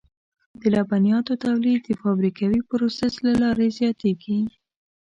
د لبنیاتو تولید د فابریکوي پروسس له لارې زیاتېږي.